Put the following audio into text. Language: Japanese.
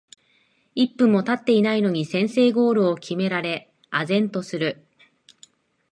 一分もたってないのに先制ゴールを決められ呆然とする